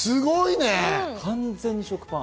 完全に食パン。